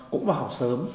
cũng vào học sớm